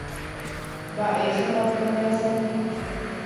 mba'éichapa pendeasaje